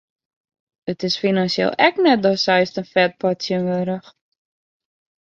It is finansjeel ek net datst seist in fetpot tsjinwurdich.